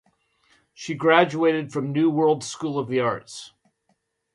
She graduated from New World School of the Arts.